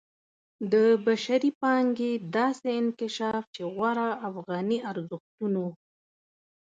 د بشري پانګې داسې انکشاف چې غوره افغاني ارزښتونو